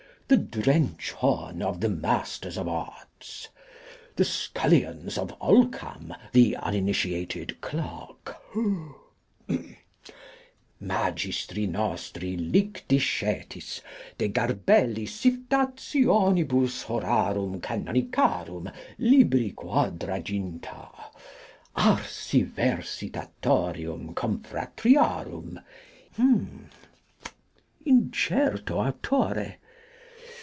The Drench horn of the Masters of Arts. The Scullions of Olcam, the uninitiated Clerk. Magistri N. Lickdishetis, de garbellisiftationibus horarum canonicarum, libri quadriginta. Arsiversitatorium confratriarum, incerto authore.